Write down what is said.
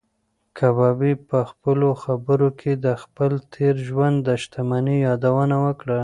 کبابي په خپلو خبرو کې د خپل تېر ژوند د شتمنۍ یادونه وکړه.